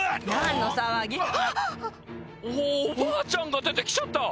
おばあちゃんが出てきちゃった！